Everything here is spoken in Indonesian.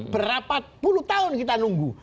berapa puluh tahun kita nunggu